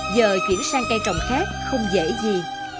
giờ chuyển sang cây trồng khác không dễ gì